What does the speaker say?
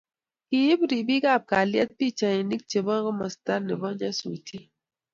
Kiib ripik ab kalyet pikchaishek chebo komasata nebo nyasutiet